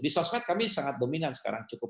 di sosmed kami sangat dominan sekarang cukup